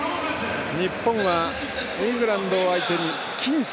日本はイングランドを相手に僅差。